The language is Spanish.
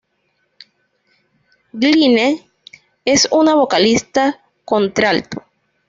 Glynne es una vocalista contralto.